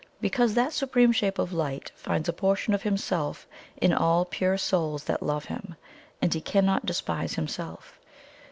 Because that Supreme Shape of Light finds a portion of Himself in all pure souls that love Him, and HE CANNOT DESPISE HIMSELF.